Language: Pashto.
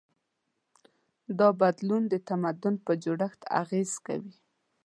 دا بدلون د تمدن په جوړښت اغېز وکړ.